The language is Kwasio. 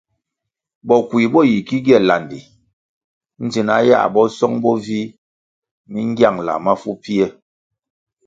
Bokui bo yi ki gie landi dzina yãh bo song bo vih mi ngiangla mafu pfie.